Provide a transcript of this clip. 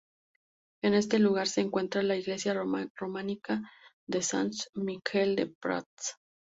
En este lugar se encuentra la iglesia románica de Sant Miquel de Prats.